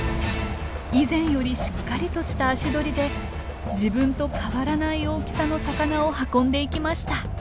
以前よりしっかりとした足取りで自分と変わらない大きさの魚を運んでいきました。